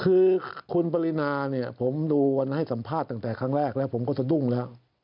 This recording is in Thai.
คือคุณปรินาเนี่ยผมดูวันให้สัมภาษณ์ตั้งแต่ครั้งแรกแล้วผมก็สะดุ้งแล้ว